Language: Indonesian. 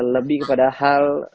lebih kepada hal